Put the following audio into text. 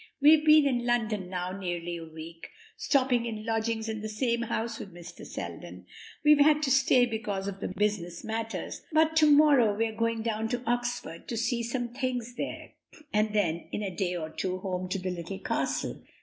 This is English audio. We've been in London now nearly a week, stopping in lodgings in the same house with Mr. Selden. We've had to stay because of the business matters, but to morrow we are going down to Oxford to see to some things there, and then in a day or two home to the Little Castle.